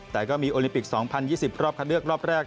แต่ก็มีโอลิปิก๒๐๒๐รอบคัดเลือกรอบแรก